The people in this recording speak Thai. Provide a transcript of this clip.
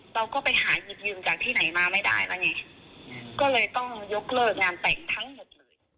เราก็ไปหาหยิบยืมจากที่ไหนมาไม่ได้แล้วไงก็เลยต้องยกเลิกงานแต่งทั้งหมดเลย